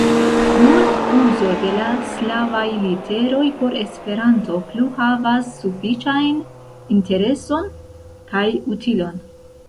Nun, uzo de la slavaj literoj por Esperanto plu havas sufiĉajn intereson kaj utilon.